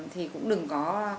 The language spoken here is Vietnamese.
thì cũng đừng có